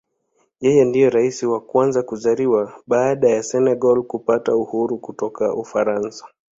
Yeye ndiye Rais wa kwanza kuzaliwa baada ya Senegal kupata uhuru kutoka Ufaransa.